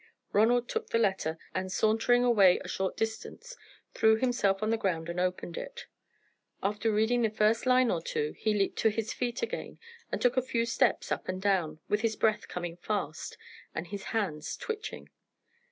Ronald took the letter, and sauntering away a short distance, threw himself on the ground and opened it. After reading the first line or two he leaped to his feet again, and took a few steps up and down, with his breath coming fast, and his hands twitching.